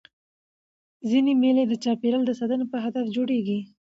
ځيني مېلې د چاپېریال د ساتني په هدف جوړېږي.